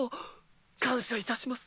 感謝いたします